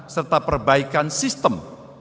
serta perbaikan sistem